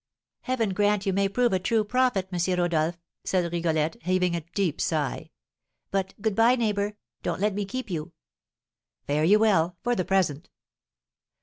"Heaven grant you may prove a true prophet, M. Rodolph!" said Rigolette, heaving a deep sigh. "But, good bye, neighbour, don't let me keep you." "Fare you well, for the present!"